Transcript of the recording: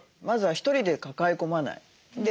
まずは１人で抱え込まない。